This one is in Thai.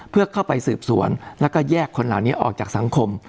เพื่อเข้าไปสืบสวนแล้วก็แยกคนเหล่านี้ออกจากสังคม